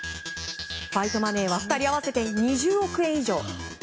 ファイトマネーは２人合わせて２０億円以上。